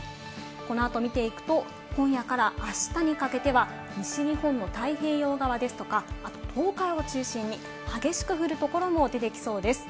このあと見ていくと、今夜から明日にかけては西日本の太平洋側ですとか、東海を中心に激しく降る所も出てきそうです。